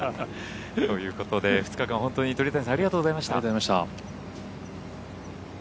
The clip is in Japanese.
２日間、本当に鳥谷さんありがとうございました。